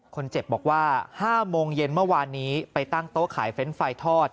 คนเจ็บบอกว่า๕โมงเย็นเมื่อวานนี้ไปตั้งโต๊ะขายเฟรนด์ไฟทอด